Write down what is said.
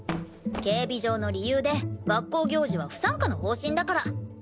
警備上の理由で学校行事は不参加の方針だから。